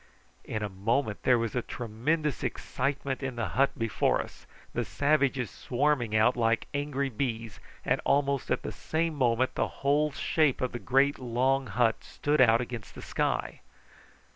In a moment there was a tremendous excitement in the hut before us, the savages swarming out like angry bees, and almost at the same moment the whole shape of the great long hut stood out against the sky.